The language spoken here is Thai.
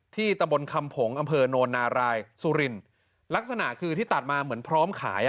ตำบลคำผงอำเภอโนนนารายสุรินลักษณะคือที่ตัดมาเหมือนพร้อมขาย